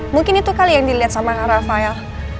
mungkin itu kali yang dilihat sama rafael